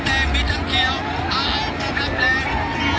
มาแล้วครับพี่น้อง